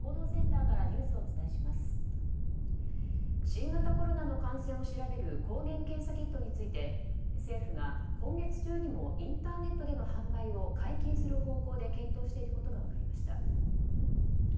新型コロナの感染を調べる抗原検査キットについて政府が今月中にもインターネットでの販売を解禁する方向で検討していることが分かりました。